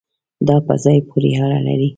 دا په ځای پورې اړه لري